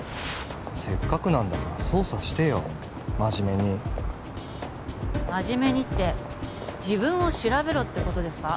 せっかくなんだから捜査してよまじめにまじめにって自分を調べろってことですか？